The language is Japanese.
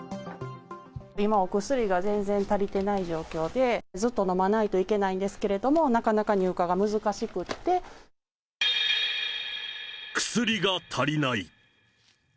今、お薬が全然足りてない状況で、ずっと飲まないといけないんですけど、薬が足りない。